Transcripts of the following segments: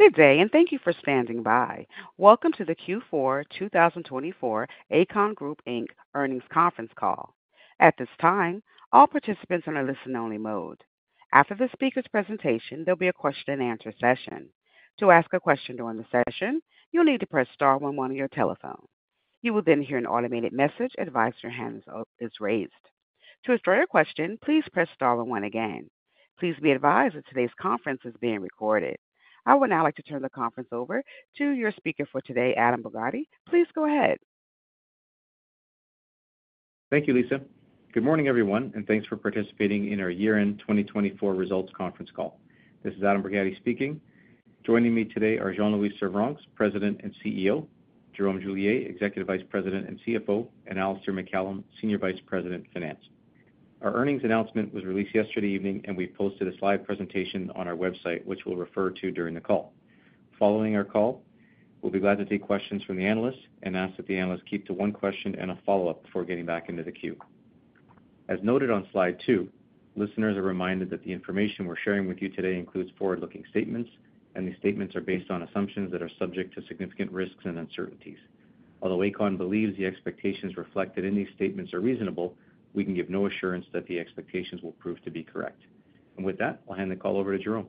Good day, and thank you for standing by. Welcome to the Q4 2024 Aecon Group earnings Conference Call. At this time, all participants are in a listen-only mode. After the speaker's presentation, there will be a question-and-answer session. To ask a question during the session, you will need to press star one-one on your telephone. You will then hear an automated message advising your hand is raised. To start a question, please press star one one again. Please be advised that today's conference is being recorded. I would now like to turn the conference over to your speaker for today, Adam Borgatti. Please go ahead. Thank you, Lisa. Good morning, everyone, and thanks for participating in our Year-End 2024 Results Conference Call. This is Adam Borgatti speaking. Joining me today are Jean-Louis Servranckx, President and CEO; Jerome Julier, Executive Vice President and CFO; and Alistair MacCallum, Senior Vice President, Finance. Our earnings announcement was released yesterday evening, and we posted a slide presentation on our website, which we'll refer to during the call. Following our call, we'll be glad to take questions from the analysts and ask that the analysts keep to one question and a follow-up before getting back into the queue. As noted on slide two, listeners are reminded that the information we're sharing with you today includes forward-looking statements, and the statements are based on assumptions that are subject to significant risks and uncertainties. Although Aecon believes the expectations reflected in these statements are reasonable, we can give no assurance that the expectations will prove to be correct. With that, I'll hand the call over to Jerome.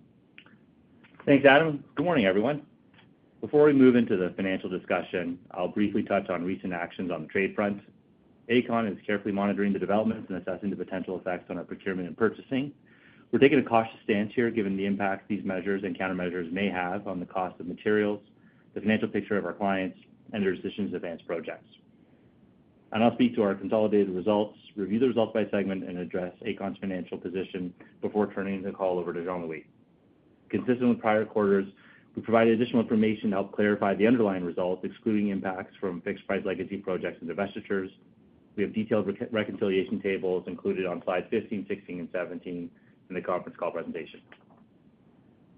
Thanks, Adam. Good morning, everyone. Before we move into the financial discussion, I'll briefly touch on recent actions on the trade front. Aecon is carefully monitoring the developments and assessing the potential effects on our procurement and purchasing. We're taking a cautious stance here given the impact these measures and countermeasures may have on the cost of materials, the financial picture of our clients, and their decisions to advance projects. I'll speak to our consolidated results, review the results by segment, and address Aecon's financial position before turning the call over to Jean-Louis. Consistent with prior quarters, we provided additional information to help clarify the underlying results, excluding impacts from fixed-price legacy projects and divestitures. We have detailed reconciliation tables included on slides 15, 16, and 17 in the conference call presentation.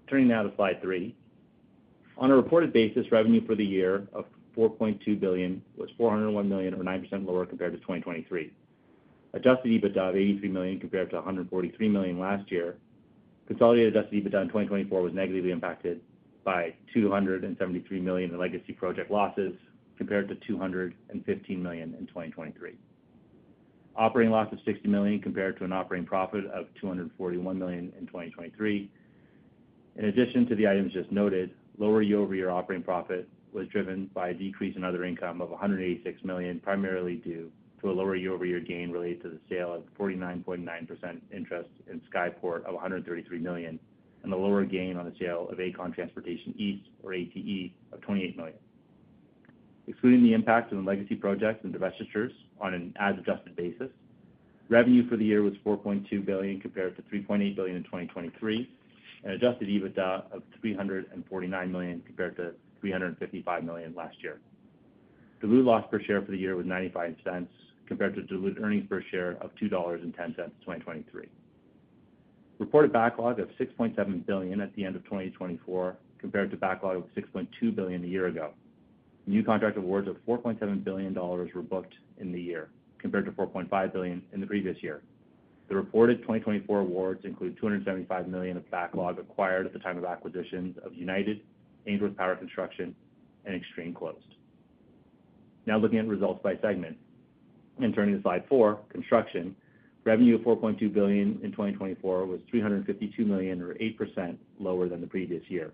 Turning now to slide three. On a reported basis, revenue for the year of 4.2 billion was 401.09% lower compared to 2023. Adjusted EBITDA of 83 million compared to 143 million last year. Consolidated adjusted EBITDA in 2024 was negatively impacted by 273 million in legacy project losses compared to 215 million in 2023. Operating loss of 60 million compared to an operating profit of 241 million in 2023. In addition to the items just noted, lower year-over-year operating profit was driven by a decrease in other income of 186 million, primarily due to a lower year-over-year gain related to the sale of 49.9% interest in Skyport of 133 million, and the lower gain on the sale of Aecon Transportation East, or ATE, of 28 million. Excluding the impact on legacy projects and divestitures on an adjusted basis, revenue for the year was 4.2 billion compared to 3.8 billion in 2023, and adjusted EBITDA of 349 million compared to 355 million last year. Diluted loss per share for the year was 0.95 compared to diluted earnings per share of 2.10 dollars in 2023. Reported backlog of 6.7 billion at the end of 2024 compared to backlog of 6.2 billion a year ago. New contract awards of 4.7 billion dollars were booked in the year compared to 4.5 billion in the previous year. The reported 2024 awards include 275 million of backlog acquired at the time of acquisitions of United Engineers and Constructors, Ainsworth Power Construction, and Extreme Closed. Now looking at results by segment and turning to slide four, construction, revenue of 4.2 billion in 2024 was 352 million, or 8% lower than the previous year.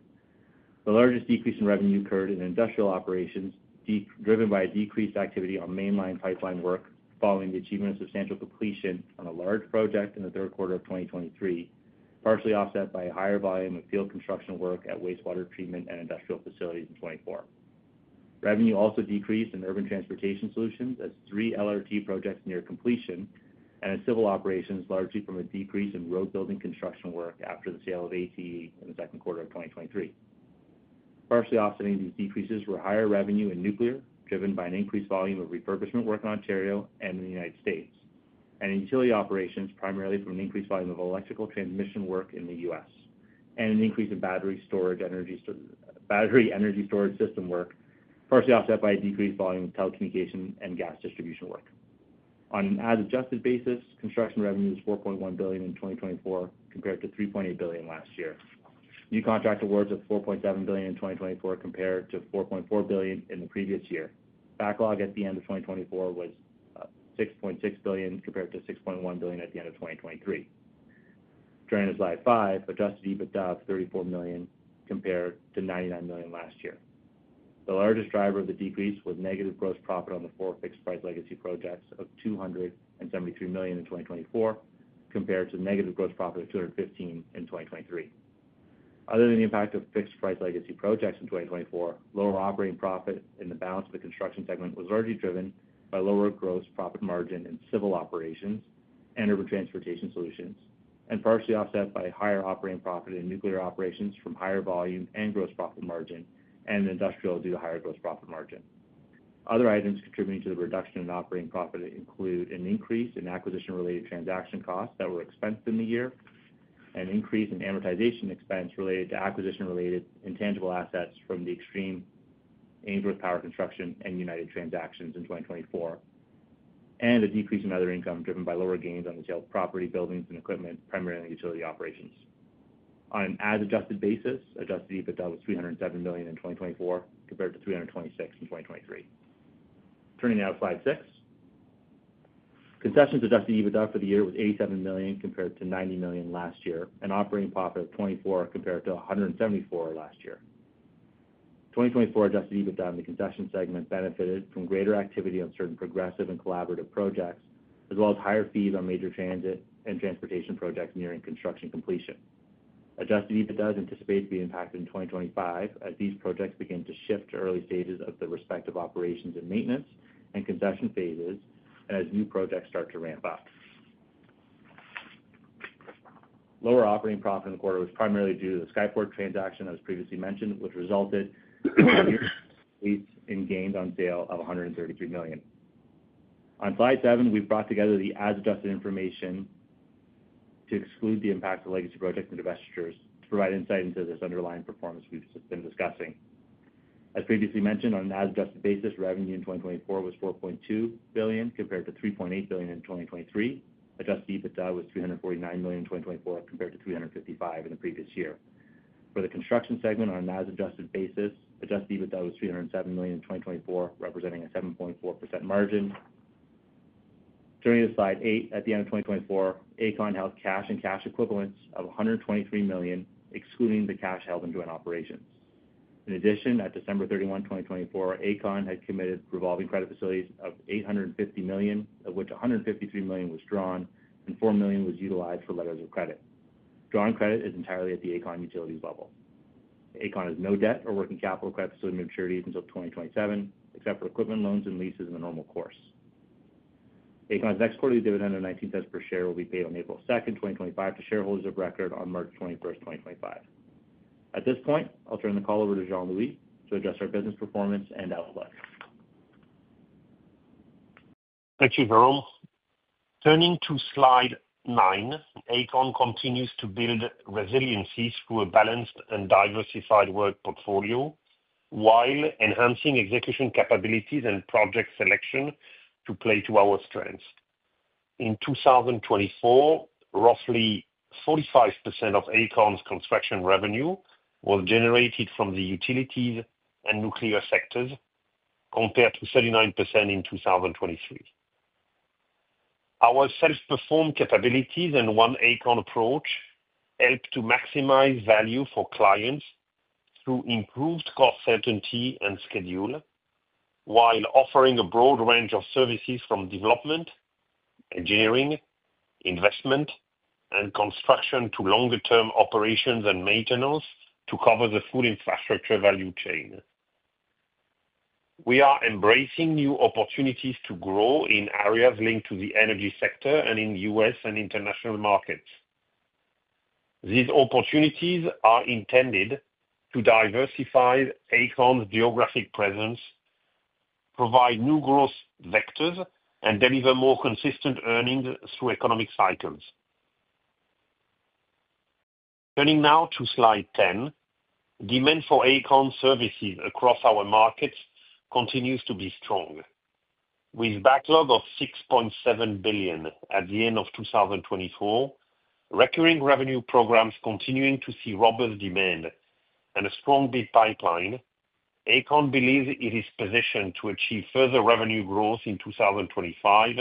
The largest decrease in revenue occurred in industrial operations, driven by a decreased activity on mainline pipeline work following the achievement of substantial completion on a large project in the third quarter of 2023, partially offset by a higher volume of field construction work at wastewater treatment and industrial facilities in 2024. Revenue also decreased in urban transportation solutions as three LRT projects near completion and in civil operations, largely from a decrease in road building construction work after the sale of ATE in the second quarter of 2023. Partially offsetting these decreases were higher revenue in nuclear, driven by an increased volume of refurbishment work in Ontario and in the United States, and in utility operations, primarily from an increased volume of electrical transmission work in the U.S., and an increase in battery storage system work, partially offset by a decreased volume of telecommunication and gas distribution work. On an adjusted basis, construction revenue was 4.1 billion in 2024 compared to 3.8 billion last year. New contract awards of 4.7 billion in 2024 compared to 4.4 billion in the previous year. Backlog at the end of 2024 was 6.6 billion compared to 6.1 billion at the end of 2023. Turning to slide five, adjusted EBITDA of 34 million compared to 99 million last year. The largest driver of the decrease was negative gross profit on the four fixed-price legacy projects of 273 million in 2024 compared to negative gross profit of 215 million in 2023. Other than the impact of fixed-price legacy projects in 2024, lower operating profit in the balance of the construction segment was largely driven by lower gross profit margin in civil operations and urban transportation solutions, and partially offset by higher operating profit in nuclear operations from higher volume and gross profit margin and industrial due to higher gross profit margin. Other items contributing to the reduction in operating profit include an increase in acquisition-related transaction costs that were expensed in the year, an increase in amortization expense related to acquisition-related intangible assets from the and United transactions in 2024, and a decrease in other income driven by lower gains on the sale of property, buildings, and equipment, primarily in utility operations. On an adjusted basis, adjusted EBITDA was 307 million in 2024 compared to 326 million in 2023. Turning now to slide six, concessions adjusted EBITDA for the year was 87 million compared to 90 million last year, and operating profit of 24 million compared to 174 million last year. 2024 adjusted EBITDA in the concession segment benefited from greater activity on certain progressive and collaborative projects, as well as higher fees on major transit and transportation projects nearing construction completion. Adjusted EBITDA is anticipated to be impacted in 2025 as these projects begin to shift to early stages of their respective operations and maintenance and concession phases, and as new projects start to ramp up. Lower operating profit in the quarter was primarily due to the Skyport transaction that was previously mentioned, which resulted in gains on sale of 133 million. On slide seven, we've brought together the adjusted information to exclude the impact of legacy projects and divestitures to provide insight into this underlying performance we've been discussing. As previously mentioned, on an adjusted basis, revenue in 2024 was 4.2 billion compared to 3.8 billion in 2023. Adjusted EBITDA was 349 million in 2024 compared to 355 million in the previous year. For the construction segment, on an adjusted basis, adjusted EBITDA was 307 million in 2024, representing a 7.4% margin. Turning to slide eight, at the end of 2024, Aecon held cash and cash equivalents of 123 million, excluding the cash held in joint operations. In addition, at December 31, 2024, Aecon had committed revolving credit facilities of 850 million, of which 153 million was drawn and 4 million was utilized for letters of credit. Drawn credit is entirely at the Aecon utilities level. Aecon has no debt or working capital credit facility maturities until 2027, except for equipment loans and leases in the normal course. Aecon's next quarterly dividend of 0.19 per share will be paid on April 2, 2025, to shareholders of record on March 21, 2025. At this point, I'll turn the call over to Jean-Louis to address our business performance and outlook. Thank you, Jerome. Turning to slide nine, Aecon continues to build resiliencies through a balanced and diversified work portfolio while enhancing execution capabilities and project selection to play to our strengths. In 2024, roughly 45% of Aecon's construction revenue was generated from the utilities and nuclear sectors, compared to 39% in 2023. Our self-performed capabilities and one Aecon approach help to maximize value for clients through improved cost certainty and schedule, while offering a broad range of services from development, engineering, investment, and construction to longer-term operations and maintenance to cover the full infrastructure value chain. We are embracing new opportunities to grow in areas linked to the energy sector and in US and international markets. These opportunities are intended to diversify Aecon's geographic presence, provide new growth vectors, and deliver more consistent earnings through economic cycles. Turning now to slide ten, demand for Aecon services across our markets continues to be strong. With backlog of 6.7 billion at the end of 2024, recurring revenue programs continuing to see robust demand, and a strong bid pipeline, Aecon believes it is positioned to achieve further revenue growth in 2025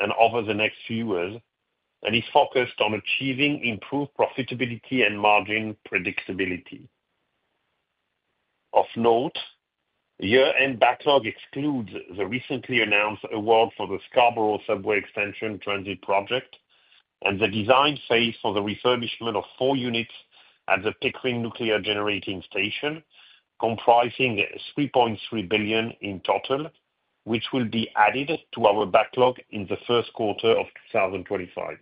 and over the next few years, and is focused on achieving improved profitability and margin predictability. Of note, year-end backlog excludes the recently announced award for the Scarborough Subway Extension Transit Project and the design phase for the refurbishment of four units at the Pickering Nuclear Generating Station, comprising 3.3 billion in total, which will be added to our backlog in the first quarter of 2025.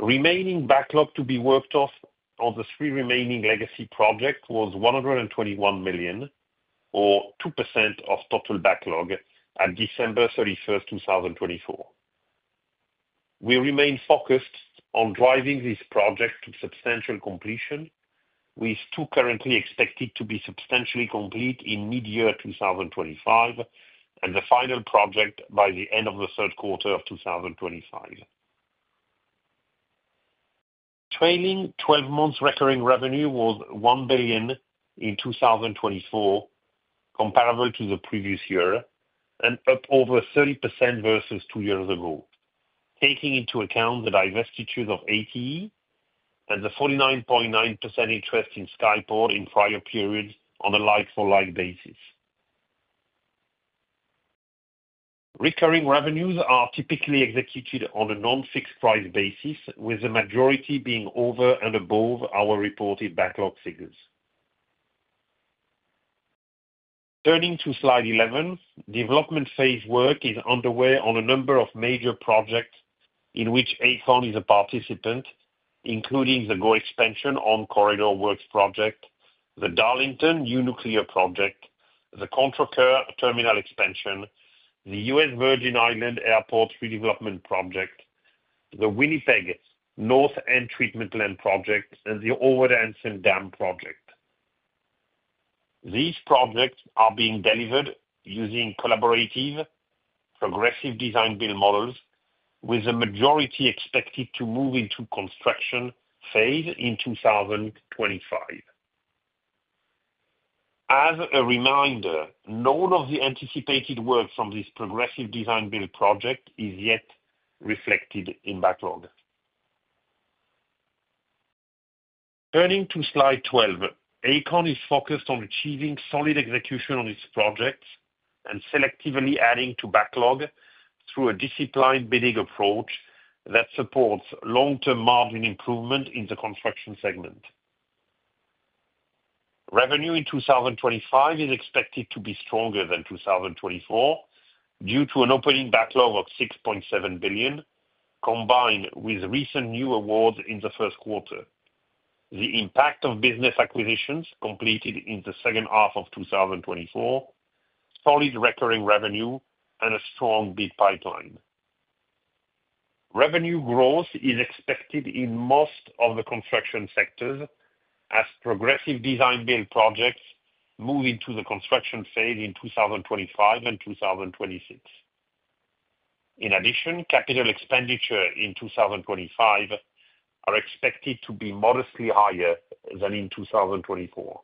Remaining backlog to be worked off on the three remaining legacy projects was 121 million, or 2% of total backlog, at December 31, 2024. We remain focused on driving this project to substantial completion, with two currently expected to be substantially complete in mid-year 2025 and the final project by the end of the third quarter of 2025. Trailing 12-month recurring revenue was 1 billion in 2024, comparable to the previous year, and up over 30% versus two years ago, taking into account the divestitures of ATE and the 49.9% interest in Skyport in prior periods on a like-for-like basis. Recurring revenues are typically executed on a non-fixed-price basis, with the majority being over and above our reported backlog figures. Turning to slide 11, development phase work is underway on a number of major projects in which Aecon is a participant, including the GO Extension on Corridor Works project, the Darlington New Nuclear Project, the Contrecoeur terminal expansion, the US Virgin Islands Airport Redevelopment Project, the Winnipeg North End Treatment Plant Project, and the Overdanson Dam Project. These projects are being delivered using collaborative progressive design-build models, with the majority expected to move into construction phase in 2025. As a reminder, none of the anticipated work from this progressive design-build project is yet reflected in backlog. Turning to slide 12, Aecon is focused on achieving solid execution on its projects and selectively adding to backlog through a disciplined bidding approach that supports long-term margin improvement in the construction segment. Revenue in 2025 is expected to be stronger than 2024 due to an opening backlog of 6.7 billion, combined with recent new awards in the first quarter, the impact of business acquisitions completed in the second half of 2024, solid recurring revenue, and a strong bid pipeline. Revenue growth is expected in most of the construction sectors as progressive design-build projects move into the construction phase in 2025 and 2026. In addition, capital expenditures in 2025 are expected to be modestly higher than in 2024.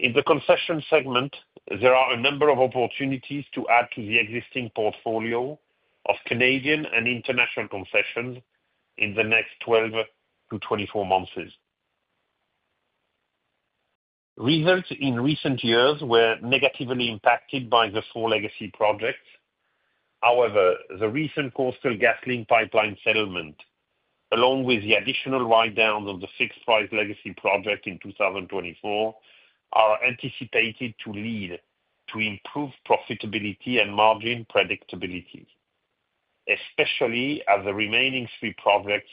In the concession segment, there are a number of opportunities to add to the existing portfolio of Canadian and international concessions in the next 12 to 24 months. Results in recent years were negatively impacted by the four legacy projects. However, the recent Coastal GasLink pipeline settlement, along with the additional write-downs on the fixed-price legacy project in 2024, are anticipated to lead to improved profitability and margin predictability, especially as the remaining three projects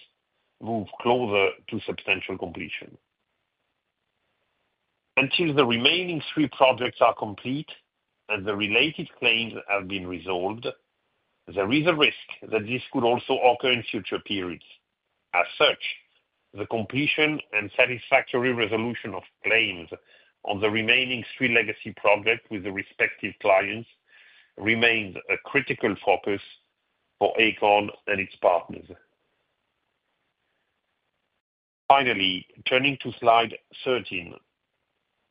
move closer to substantial completion. Until the remaining three projects are complete and the related claims have been resolved, there is a risk that this could also occur in future periods. As such, the completion and satisfactory resolution of claims on the remaining three legacy projects with the respective clients remains a critical focus for Aecon and its partners. Finally, turning to slide 13,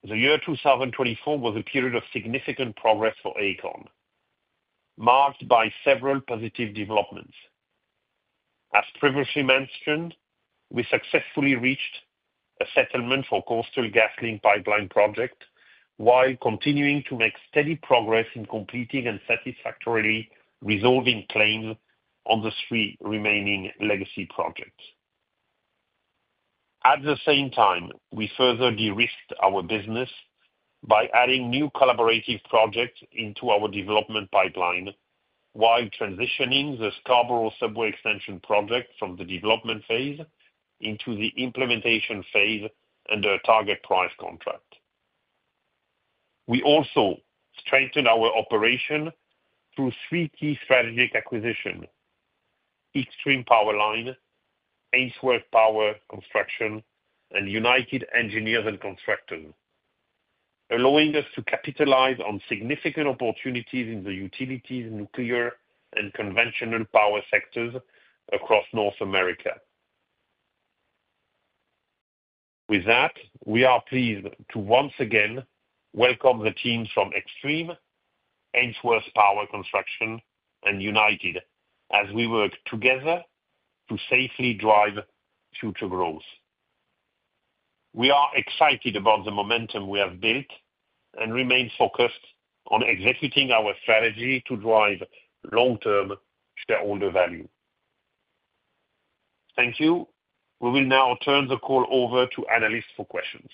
the year 2024 was a period of significant progress for Aecon, marked by several positive developments. As previously mentioned, we successfully reached a settlement for the Coastal GasLink pipeline project while continuing to make steady progress in completing and satisfactorily resolving claims on the three remaining legacy projects. At the same time, we further de-risked our business by adding new collaborative projects into our development pipeline while transitioning the Scarborough Subway Extension project from the development phase into the implementation phase under a target price contract. We also strengthened our operation through three key strategic acquisitions: Extreme Power Line, Ainsworth Power Construction, and United Engineers and Constructors, allowing us to capitalize on significant opportunities in the utilities, nuclear, and conventional power sectors across North America. With that, we are pleased to once again welcome the teams from Extreme, Ainsworth Power Construction, and United as we work together to safely drive future growth. We are excited about the momentum we have built and remain focused on executing our strategy to drive long-term shareholder value. Thank you. We will now turn the call over to analysts for questions.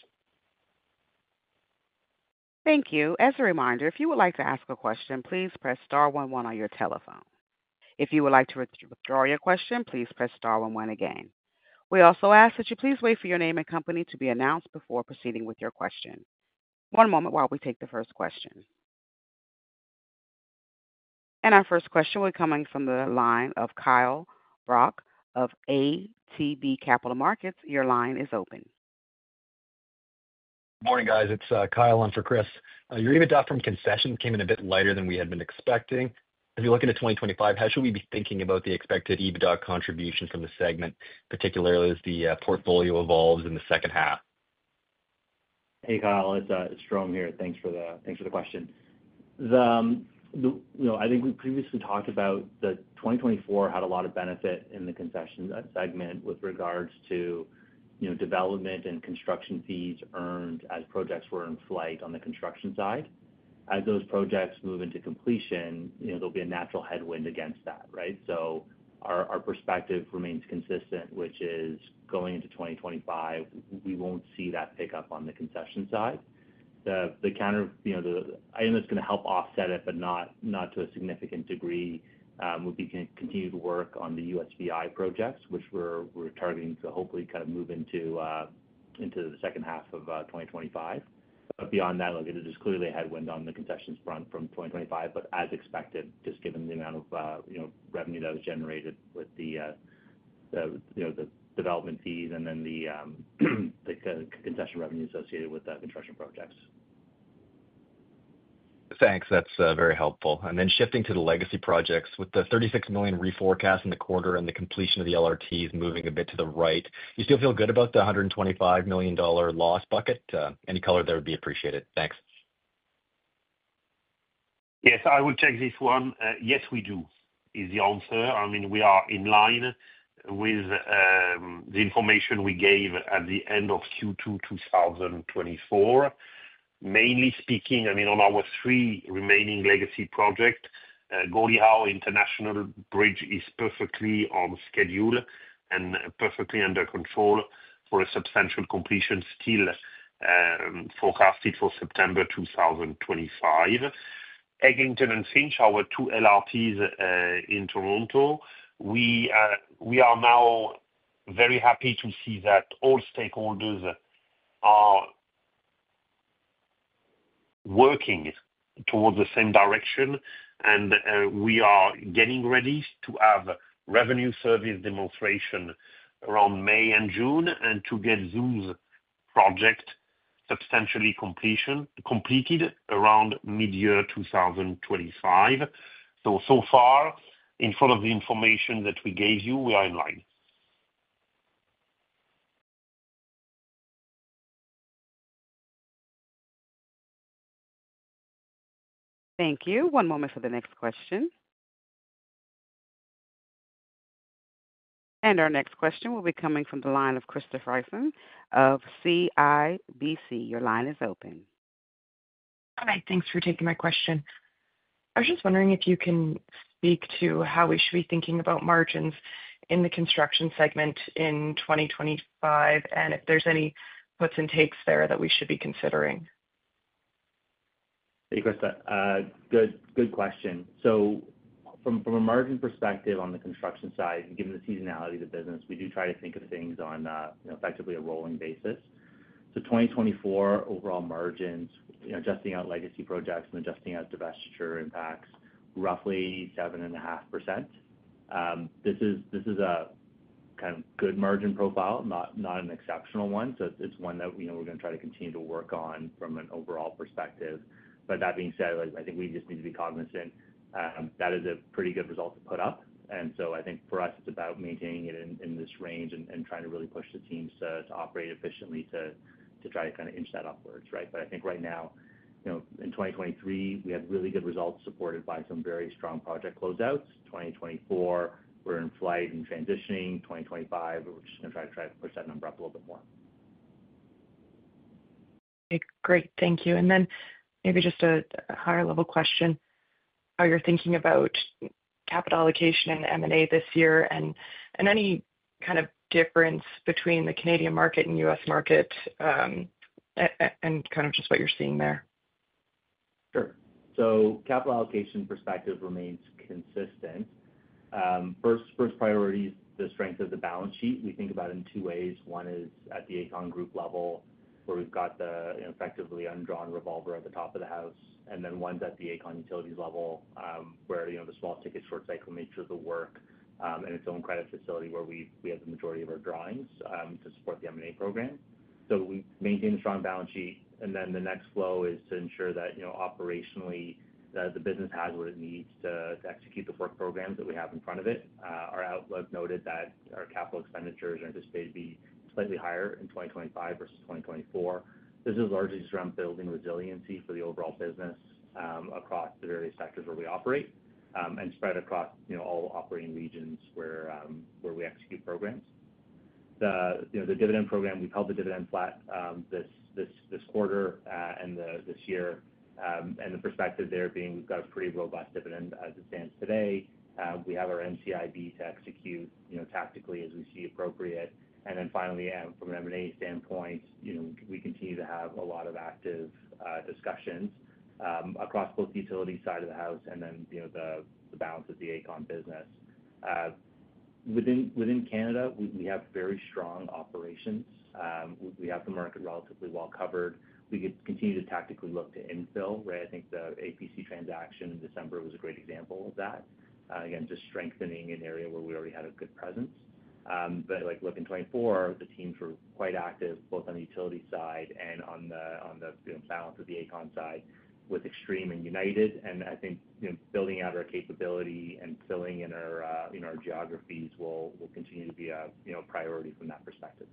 Thank you. As a reminder, if you would like to ask a question, please press star one one on your telephone. If you would like to withdraw your question, please press star 11 again. We also ask that you please wait for your name and company to be announced before proceeding with your question. One moment while we take the first question. Our first question will be coming from the line of Kyle Brock of ATB Capital Markets. Your line is open. Good morning, guys. It's Kyle on for Chris. Your EBITDA from concessions came in a bit lighter than we had been expecting. As we look into 2025, how should we be thinking about the expected EBITDA contribution from the segment, particularly as the portfolio evolves in the second half? Hey, Kyle. It's Jerome here. Thanks for the question. I think we previously talked about the 2024 had a lot of benefit in the concession segment with regards to development and construction fees earned as projects were in flight on the construction side. As those projects move into completion, there will be a natural headwind against that, right? Our perspective remains consistent, which is going into 2025, we will not see that pickup on the concession side. The counter item that is going to help offset it, but not to a significant degree, would be to continue to work on the USVI projects, which we are targeting to hopefully kind of move into the second half of 2025. Beyond that, it is clearly a headwind on the concessions front from 2025, but as expected, just given the amount of revenue that was generated with the development fees and then the concession revenue associated with the construction projects. Thanks. That's very helpful. Then shifting to the legacy projects, with the 36 million reforecast in the quarter and the completion of the LRTs moving a bit to the right, do you still feel good about the 125 million dollar loss bucket? Any color there would be appreciated. Thanks. Yes, I would take this one. Yes, we do, is the answer. I mean, we are in line with the information we gave at the end of Q2 2024. Mainly speaking, I mean, on our three remaining legacy projects, Gordie Howe International Bridge is perfectly on schedule and perfectly under control for a substantial completion still forecasted for September 2025. Eglinton and Finch, our two LRTs in Toronto, we are now very happy to see that all stakeholders are working towards the same direction, and we are getting ready to have revenue service demonstration around May and June and to get Zoom's project substantially completed around mid-year 2025. So far, in front of the information that we gave you, we are in line. Thank you. One moment for the next question. Our next question will be coming from the line of Krista Friesen of CIBC. Your line is open. Hi. Thanks for taking my question. I was just wondering if you can speak to how we should be thinking about margins in the construction segment in 2025 and if there's any puts and takes there that we should be considering. Thank you, Krista. Good question. From a margin perspective on the construction side, given the seasonality of the business, we do try to think of things on effectively a rolling basis. 2024 overall margins, adjusting out legacy projects and adjusting out divestiture impacts, roughly 7.5%. This is a kind of good margin profile, not an exceptional one. It is one that we are going to try to continue to work on from an overall perspective. That being said, I think we just need to be cognizant that is a pretty good result to put up. I think for us, it is about maintaining it in this range and trying to really push the teams to operate efficiently to try to kind of inch that upwards, right? I think right now, in 2023, we have really good results supported by some very strong project closeouts. 2024, we're in flight and transitioning. 2025, we're just going to try to push that number up a little bit more. Great. Thank you. Maybe just a higher-level question, how you're thinking about capital allocation and M&A this year and any kind of difference between the Canadian market and U.S. market and kind of just what you're seeing there. Sure. Capital allocation perspective remains consistent. First priority is the strength of the balance sheet. We think about it in two ways. One is at the Aecon Group level, where we have the effectively undrawn revolver at the top of the house. Then one is at the Aecon Utilities level, where the small ticket short cycle nature of the work and its own credit facility where we have the majority of our drawings to support the M&A program. We maintain a strong balance sheet. The next flow is to ensure that operationally the business has what it needs to execute the work programs that we have in front of it. Our outlook noted that our capital expenditures are anticipated to be slightly higher in 2025 versus 2024. This is largely just around building resiliency for the overall business across the various sectors where we operate and spread across all operating regions where we execute programs. The dividend program, we've held the dividend flat this quarter and this year. The perspective there being we've got a pretty robust dividend as it stands today. We have our MCIB to execute tactically as we see appropriate. Finally, from an M&A standpoint, we continue to have a lot of active discussions across both the utility side of the house and the balance of the Aecon business. Within Canada, we have very strong operations. We have the market relatively well covered. We could continue to tactically look to infill, right? I think the APC transaction in December was a great example of that. Again, just strengthening an area where we already had a good presence. Look, in 2024, the teams were quite active both on the utility side and on the balance of the Aecon side with Extreme and United. I think building out our capability and filling in our geographies will continue to be a priority from that perspective.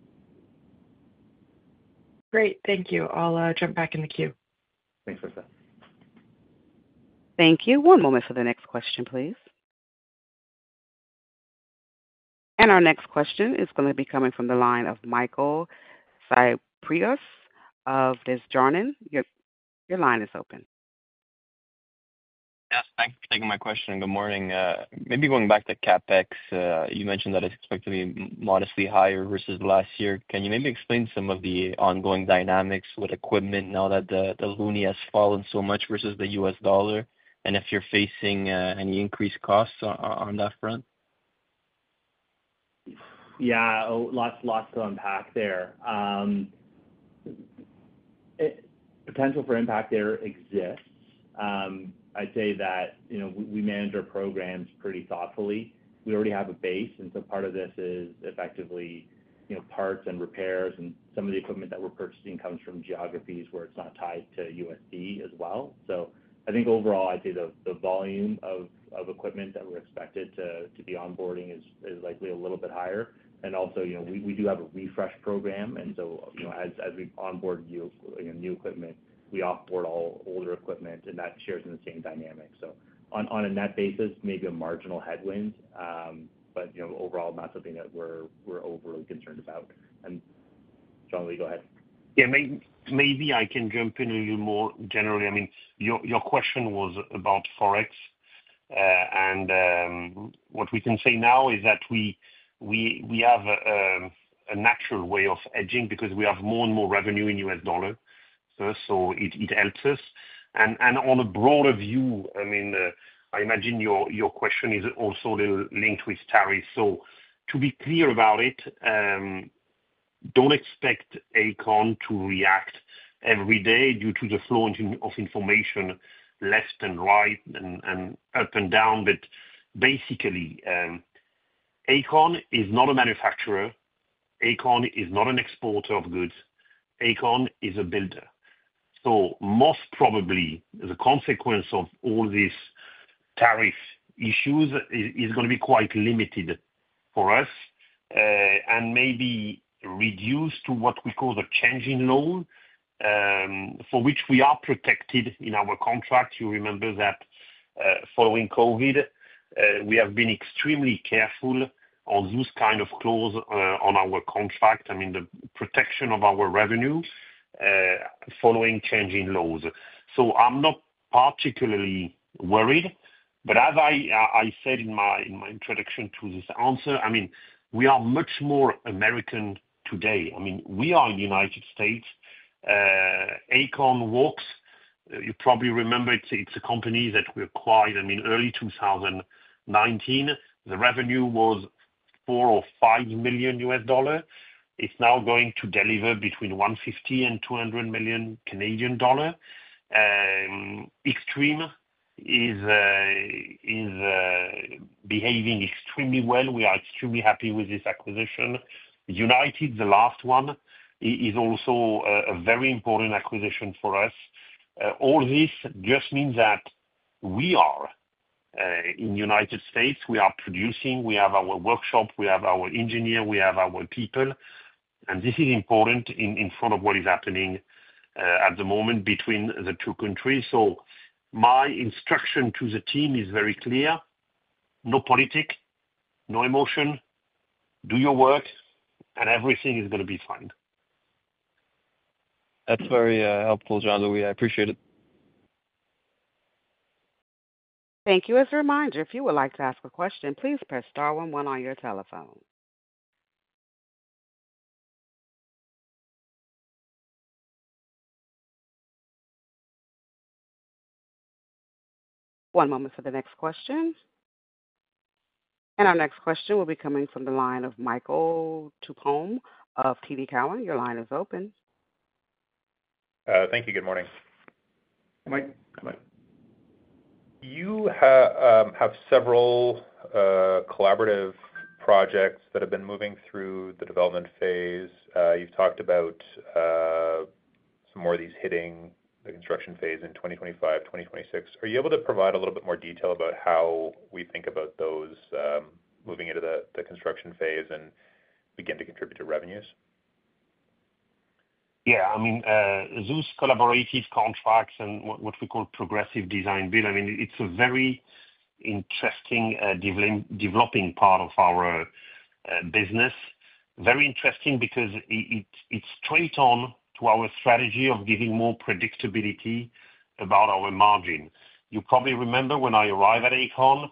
Great. Thank you. I'll jump back in the queue. Thanks, Krista. Thank you. One moment for the next question, please. Our next question is going to be coming from the line of Michael Kypreos of Desjardins. Your line is open. Yes. Thanks for taking my question. Good morning. Maybe going back to CapEx, you mentioned that it's expected to be modestly higher versus last year. Can you maybe explain some of the ongoing dynamics with equipment now that the loonie has fallen so much versus the US dollar? If you're facing any increased costs on that front? Yeah. Lots to unpack there. Potential for impact there exists. I'd say that we manage our programs pretty thoughtfully. We already have a base. Part of this is effectively parts and repairs. Some of the equipment that we're purchasing comes from geographies where it's not tied to USD as well. I think overall, I'd say the volume of equipment that we're expected to be onboarding is likely a little bit higher. We do have a refresh program. As we onboard new equipment, we offboard all older equipment, and that shares in the same dynamic. On a net basis, maybe a marginal headwind, but overall, not something that we're overly concerned about. Jean-Loius, will you go ahead? Yeah. Maybe I can jump in a little more generally. I mean, your question was about ForEx. What we can say now is that we have a natural way of hedging because we have more and more revenue in USD. It helps us. On a broader view, I mean, I imagine your question is also linked with tariffs. To be clear about it, do not expect Aecon to react every day due to the flow of information left and right and up and down. Basically, Aecon is not a manufacturer. Aecon is not an exporter of goods. Aecon is a builder. Most probably, the consequence of all these tariff issues is going to be quite limited for us and maybe reduced to what we call the changing loan, for which we are protected in our contract. You remember that following COVID, we have been extremely careful on those kind of clauses on our contract, I mean, the protection of our revenue following changing laws. I am not particularly worried. As I said in my introduction to this answer, I mean, we are much more American today. I mean, we are in the United States. Aecon Walks, you probably remember, is a company that we acquired, I mean, early 2019. The revenue was $4 million or $5 million. It is now going to deliver between 150 million and 200 million Canadian dollar. Extreme is behaving extremely well. We are extremely happy with this acquisition. United, the last one, is also a very important acquisition for us. All this just means that we are in the United States. We are producing. We have our workshop. We have our engineer. We have our people. This is important in front of what is happening at the moment between the two countries. My instruction to the team is very clear. No politics, no emotion. Do your work, and everything is going to be fine. That's very helpful, Jean-Louis. I appreciate it. Thank you. As a reminder, if you would like to ask a question, please press star 11 on your telephone. One moment for the next question. Our next question will be coming from the line of Michael Tupholme of TD Cowen. Your line is open. Thank you. Good morning. Good morning. Good morning. You have several collaborative projects that have been moving through the development phase. You have talked about some more of these hitting the construction phase in 2025, 2026. Are you able to provide a little bit more detail about how we think about those moving into the construction phase and begin to contribute to revenues? Yeah. I mean, those collaborative contracts and what we call progressive design-build, I mean, it's a very interesting developing part of our business. Very interesting because it's straight on to our strategy of giving more predictability about our margin. You probably remember when I arrived at Aecon,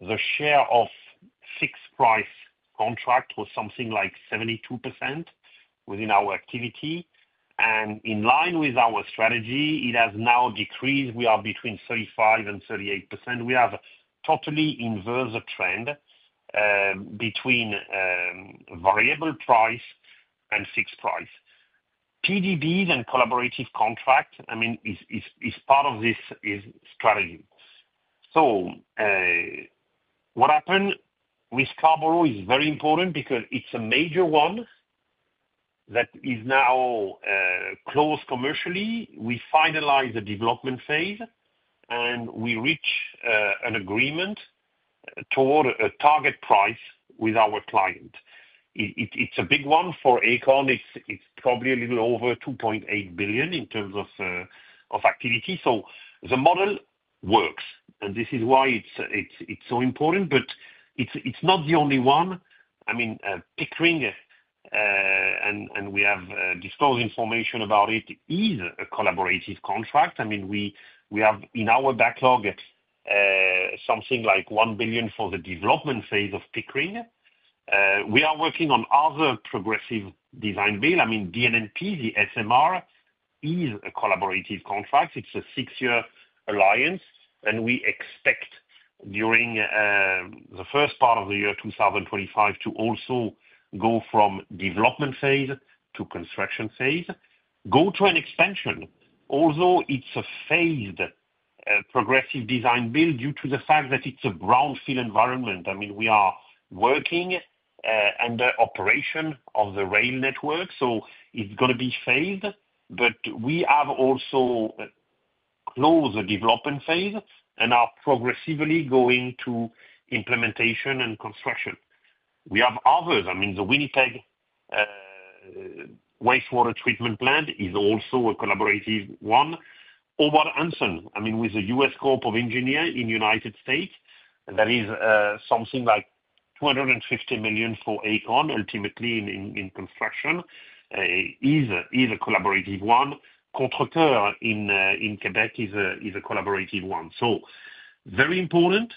the share of fixed-price contract was something like 72% within our activity. In line with our strategy, it has now decreased. We are between 35-38%. We have totally inversed the trend between variable price and fixed price. PDBs and collaborative contracts, I mean, is part of this strategy. What happened with Carborough is very important because it's a major one that is now closed commercially. We finalized the development phase, and we reached an agreement toward a target price with our client. It's a big one for Aecon. It's probably a little over 2.8 billion in terms of activity. The model works. This is why it's so important. It's not the only one. I mean, Pickering, and we have disclosed information about it, is a collaborative contract. I mean, we have in our backlog something like 1 billion for the development phase of Pickering. We are working on other progressive design-build. I mean, DNNP, the SMR, is a collaborative contract. It's a six-year alliance. We expect during the first part of the year 2025 to also go from development phase to construction phase, go to an expansion, although it's a phased progressive design-build due to the fact that it's a brownfield environment. I mean, we are working under operation of the rail network. It's going to be phased. We have also closed the development phase and are progressively going to implementation and construction. We have others. I mean, the Winnipeg Wastewater Treatment Plant is also a collaborative one. Over Hanson, I mean, with the U.S. Corps of Engineers in the United States, that is something like 250 million for Aecon ultimately in construction, is a collaborative one. Contreter in Quebec is a collaborative one. Very important,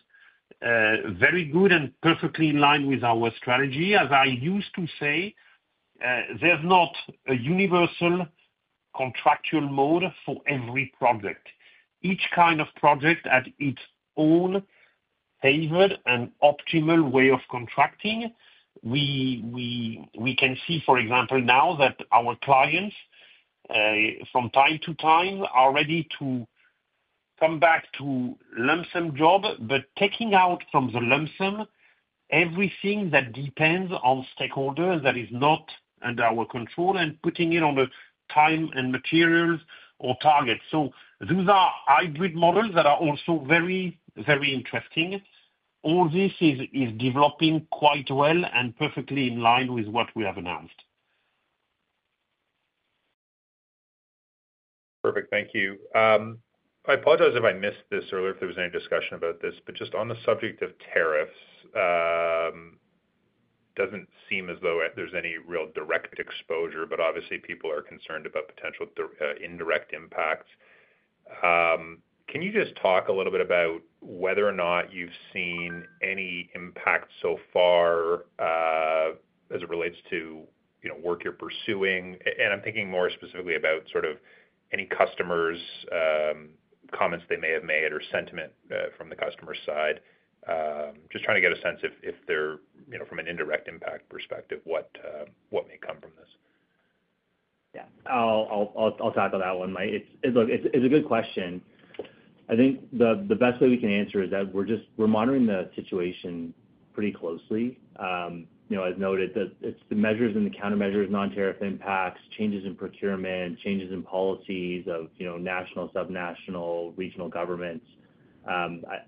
very good, and perfectly in line with our strategy. As I used to say, there is not a universal contractual mode for every project. Each kind of project has its own favored and optimal way of contracting. We can see, for example, now that our clients, from time to time, are ready to come back to lump sum job, but taking out from the lump sum everything that depends on stakeholders that is not under our control and putting it on the time and materials or targets. Those are hybrid models that are also very, very interesting. All this is developing quite well and perfectly in line with what we have announced. Perfect. Thank you. I apologize if I missed this earlier if there was any discussion about this. Just on the subject of tariffs, it does not seem as though there is any real direct exposure, but obviously, people are concerned about potential indirect impacts. Can you just talk a little bit about whether or not you have seen any impact so far as it relates to work you are pursuing? I am thinking more specifically about any customers' comments they may have made or sentiment from the customer side. Just trying to get a sense if there is, from an indirect impact perspective, what may come from this. Yeah. I'll tackle that one Mike, it's a good question. I think the best way we can answer is that we're monitoring the situation pretty closely. As noted, it's the measures and the countermeasures, non-tariff impacts, changes in procurement, changes in policies of national, subnational, regional governments.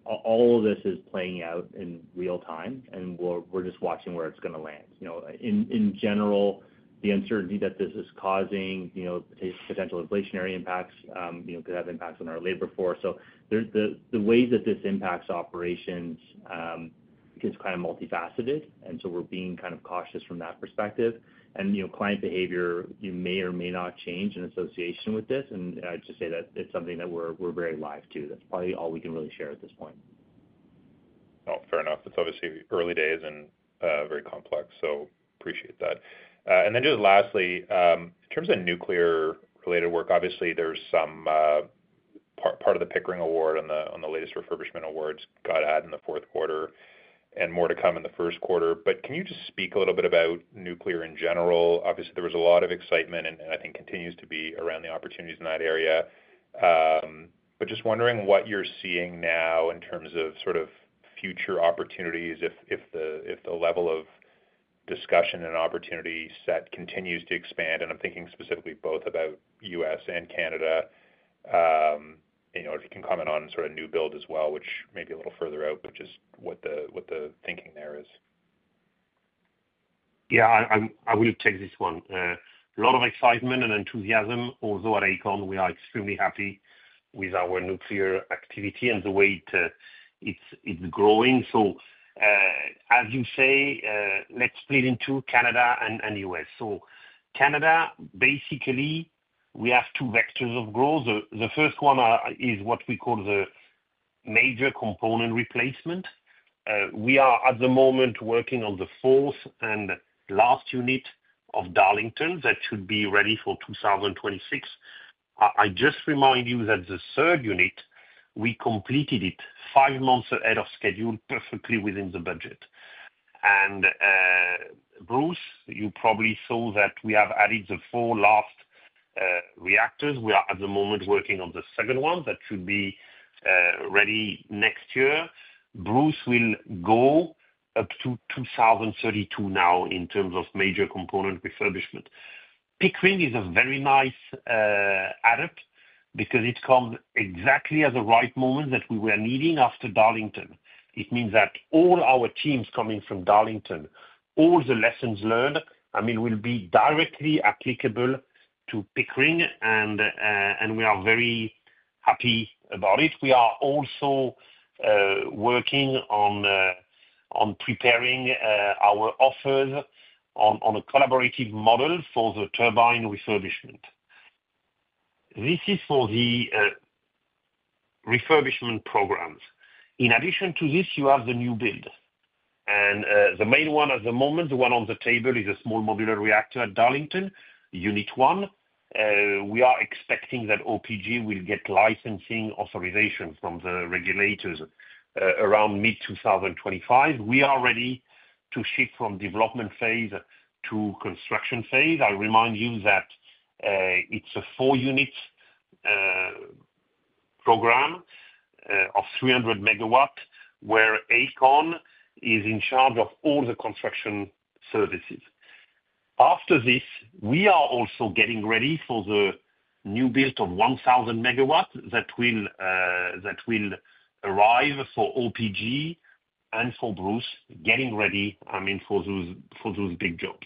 All of this is playing out in real time, and we're just watching where it's going to land. In general, the uncertainty that this is causing, potential inflationary impacts could have impacts on our labor force. The ways that this impacts operations is kind of multifaceted. We are being kind of cautious from that perspective. Client behavior may or may not change in association with this. I'd just say that it's something that we're very live to. That's probably all we can really share at this point. Oh, fair enough. It's obviously early days and very complex. Appreciate that. Lastly, in terms of nuclear-related work, obviously, there's some part of the Pickering Award on the latest refurbishment awards that got added in the fourth quarter and more to come in the first quarter. Can you just speak a little bit about nuclear in general? Obviously, there was a lot of excitement and I think continues to be around the opportunities in that area. Just wondering what you're seeing now in terms of future opportunities, if the level of discussion and opportunity set continues to expand. I'm thinking specifically both about the U.S. and Canada. If you can comment on new build as well, which may be a little further out, just what the thinking there is. Yeah. I will take this one. A lot of excitement and enthusiasm, although at Aecon, we are extremely happy with our nuclear activity and the way it's growing. As you say, let's split into Canada and U.S. Canada, basically, we have two vectors of growth. The first one is what we call the major component replacement. We are at the moment working on the fourth and last unit of Darlington that should be ready for 2026. I just remind you that the third unit, we completed it five months ahead of schedule, perfectly within the budget. At Bruce, you probably saw that we have added the four last reactors. We are at the moment working on the second one that should be ready next year. Bruce will go up to 2032 now in terms of major component refurbishment. Pickering is a very nice add-up because it comes exactly at the right moment that we were needing after Darlington. It means that all our teams coming from Darlington, all the lessons learned, I mean, will be directly applicable to Pickering, and we are very happy about it. We are also working on preparing our offers on a collaborative model for the turbine refurbishment. This is for the refurbishment programs. In addition to this, you have the new build. The main one at the moment, the one on the table, is a small modular reactor at Darlington, unit one. We are expecting that OPG will get licensing authorization from the regulators around mid-2025. We are ready to shift from development phase to construction phase. I remind you that it is a four-unit program of 300 MW where Aecon is in charge of all the construction services. After this, we are also getting ready for the new build of 1,000 MW that will arrive for OPG and for Bruce. Getting ready, I mean, for those big jobs.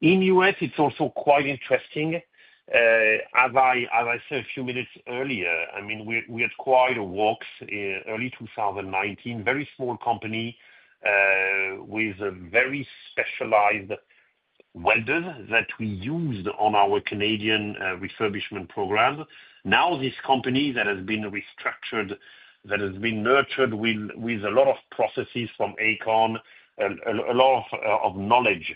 In the U.S., it's also quite interesting. As I said a few minutes earlier, I mean, we had acquired a Works early 2019, very small company with very specialized welders that we used on our Canadian refurbishment program. Now, this company that has been restructured, that has been nurtured with a lot of processes from Aecon, a lot of knowledge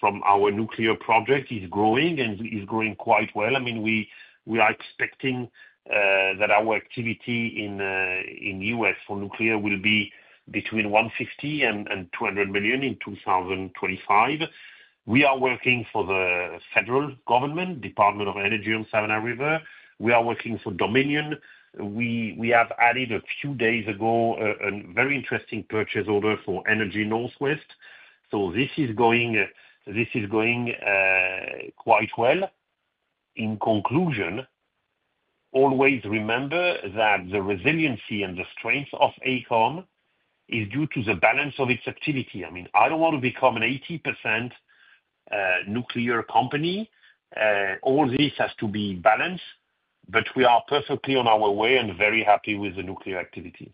from our nuclear project is growing and is growing quite well. I mean, we are expecting that our activity in the U.S. for nuclear will be between 150 million- 200 million in 2025. We are working for the federal government, Department of Energy on Savannah River. We are working for Dominion. We have added a few days ago a very interesting purchase order for Energy Northwest. This is going quite well. In conclusion, always remember that the resiliency and the strength of Aecon is due to the balance of its activity. I mean, I don't want to become an 80% nuclear company. All this has to be balanced, but we are perfectly on our way and very happy with the nuclear activity.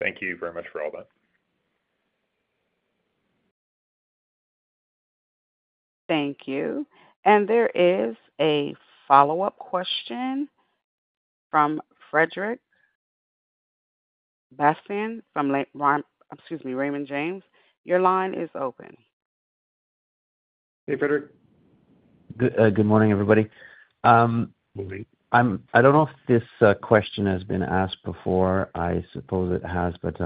Thank you very much for all that. Thank you. There is a follow-up question from Frederic Bastien from Raymond James. Your line is open. Hey, Frederic. Good morning, everybody. I do not know if this question has been asked before. I suppose it has, but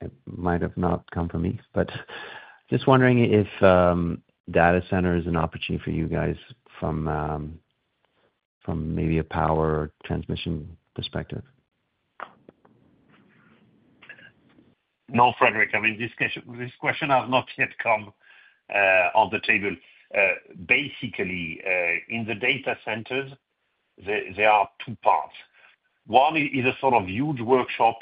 it might have not come from me. Just wondering if data center is an opportunity for you guys from maybe a power transmission perspective. No, Frederick. I mean, this question has not yet come on the table. Basically, in the data centers, there are two parts. One is a sort of huge workshop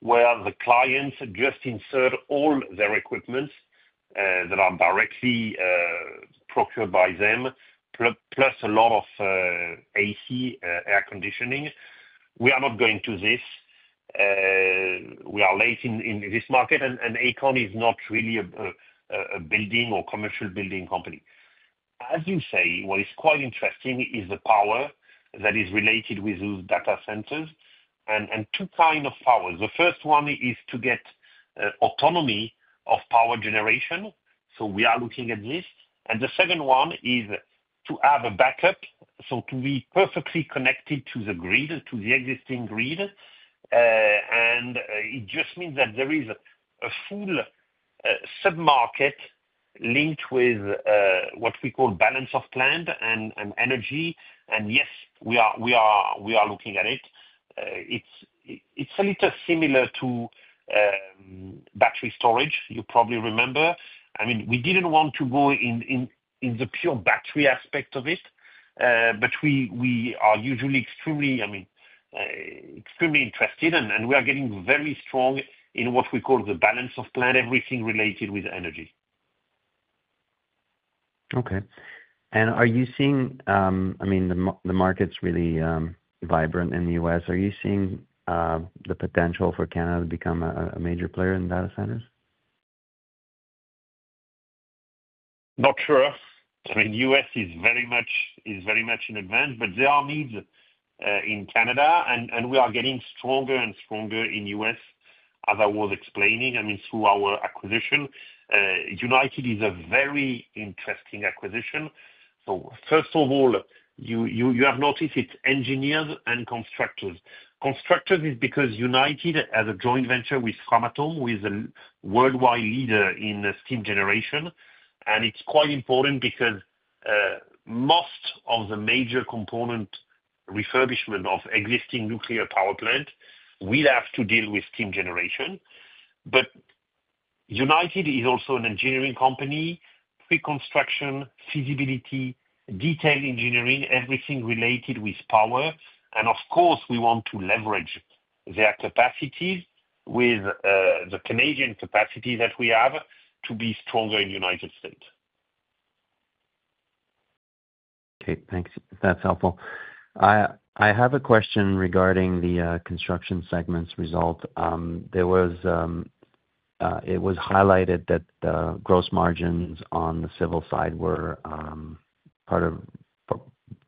where the clients just insert all their equipment that are directly procured by them, plus a lot of AC, air conditioning. We are not going into this. We are late in this market, and Aecon is not really a building or commercial building company. As you say, what is quite interesting is the power that is related with those data centers and two kinds of powers. The first one is to get autonomy of power generation. We are looking at this. The second one is to have a backup, to be perfectly connected to the grid, to the existing grid. It just means that there is a full sub-market linked with what we call balance of plant and energy. Yes, we are looking at it. It's a little similar to battery storage, you probably remember. I mean, we didn't want to go in the pure battery aspect of it, but we are usually extremely interested, and we are getting very strong in what we call the balance of plant, everything related with energy. Okay. I mean, the market's really vibrant in the U.S. Are you seeing the potential for Canada to become a major player in data centers? Not sure. I mean, the U.S. is very much in advance, but there are needs in Canada, and we are getting stronger and stronger in the U.S., as I was explaining, I mean, through our acquisition. United is a very interesting acquisition. First of all, you have noticed it's engineers and constructors. Constructors is because United has a joint venture with Framatome, who is a worldwide leader in steam generation. It is quite important because most of the major component refurbishment of existing nuclear power plants will have to deal with steam generation. United is also an engineering company, pre-construction, feasibility, detailed engineering, everything related with power. Of course, we want to leverage their capacities with the Canadian capacity that we have to be stronger in the United States. Okay. Thanks. That's helpful. I have a question regarding the construction segment's result. It was highlighted that the gross margins on the civil side were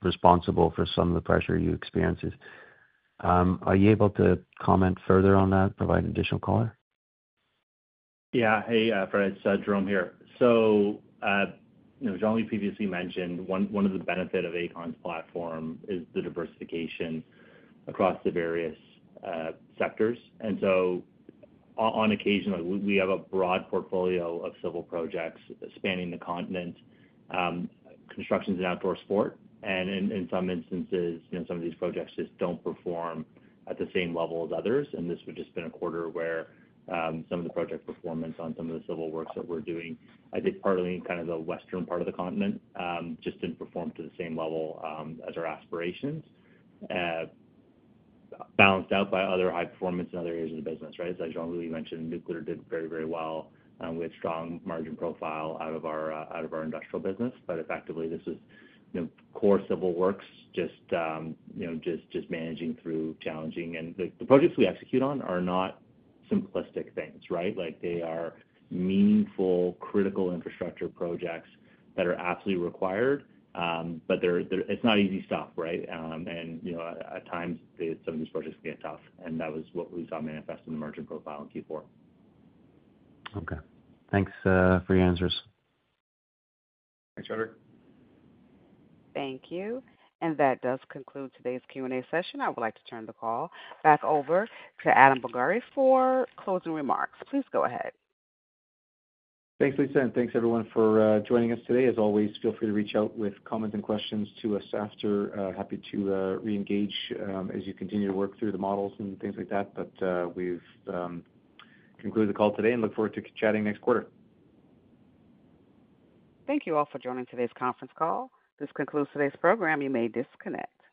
responsible for some of the pressure you experienced. Are you able to comment further on that, provide additional color? Yeah. Hey, Fred. It's Jerome here. As Jean-Louis previously mentioned, one of the benefits of Aecon's platform is the diversification across the various sectors. On occasion, we have a broad portfolio of civil projects spanning the continent, constructions in outdoor sport. In some instances, some of these projects just don't perform at the same level as others. This would just have been a quarter where some of the project performance on some of the civil works that we're doing, I think partly in kind of the western part of the continent, just didn't perform to the same level as our aspirations, balanced out by other high performance in other areas of the business, right? As Jean-Louis mentioned, nuclear did very, very well. We had a strong margin profile out of our industrial business. Effectively, this was core civil works, just managing through. Challenging. The projects we execute on are not simplistic things, right? They are meaningful, critical infrastructure projects that are absolutely required, but it's not easy stuff, right? At times, some of these projects can get tough. That was what we saw manifest in the margin profile in Q4. Okay. Thanks for your answers. Thanks, Frederic. Thank you. That does conclude today's Q&A session. I would like to turn the call back over to Adam Borgatti for closing remarks. Please go ahead. Thanks, Lisa. Thanks, everyone, for joining us today. As always, feel free to reach out with comments and questions to us after. Happy to re-engage as you continue to work through the models and things like that. We have concluded the call today and look forward to chatting next quarter. Thank you all for joining today's conference call. This concludes today's program. You may disconnect.